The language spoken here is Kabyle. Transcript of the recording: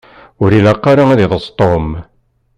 Ur ilaq ara ad d-iḍes Tom.